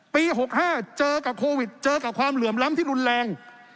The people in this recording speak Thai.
ปี๖๕เจอกับโควิดเจอกับความเหลื่อมล้ำที่รุนแรง